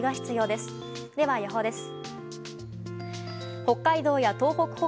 では予報です。